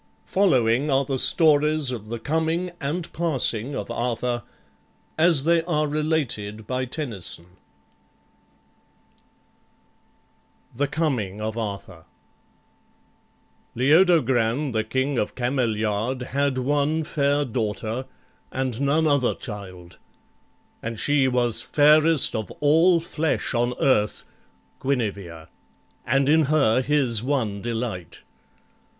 Following are the stories of the coming and passing of Arthur as they are related by Tennyson: THE COMING OF ARTHUR Leodogran, the King of Cameliard, Had one fair daughter, and none other child; And she was fairest of all flesh on earth, Guinevere, and in her his one delight.